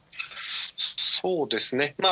そうですね。